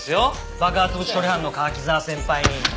爆発物処理班の柿沢先輩に。